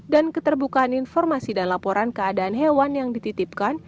dan keterbukaan informasi dan laporan keadaan hewan yang dititipkan